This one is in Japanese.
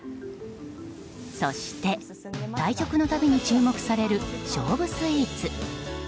そして、対局の度に注目される勝負スイーツ。